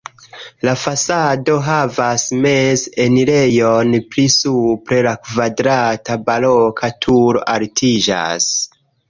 La fasado havas meze enirejon, pli supre la kvadrata baroka turo altiĝas.